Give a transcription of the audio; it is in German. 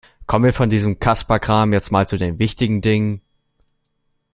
Kommen wir von diesem Kasperkram jetzt mal zu den wichtigen Dingen.